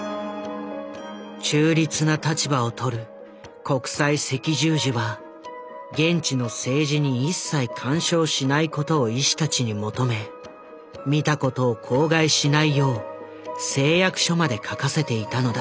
中立な立場を取る国際赤十字は現地の政治に一切干渉しないことを医師たちに求め見たことを口外しないよう誓約書まで書かせていたのだ。